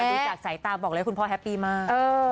ดูจากสายตาบอกเลยคุณพ่อแฮปปี้มาก